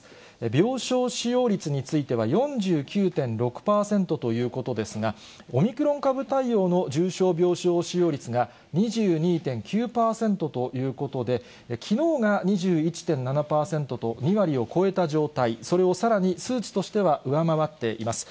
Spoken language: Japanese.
病床使用率については、４９．６％ということですが、オミクロン株対応の重症病床使用率が２２．９％ということで、きのうが２１．７％と２割を超えた状態、それをさらに数値としては上回っています。